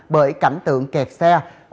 bởi cảnh tượng kẹt xe